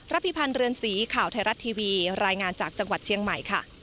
พิพันธ์เรือนสีข่าวไทยรัฐทีวีรายงานจากจังหวัดเชียงใหม่ค่ะ